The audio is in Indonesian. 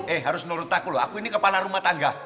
eh harus nurut aku loh aku ini kepala rumah tangga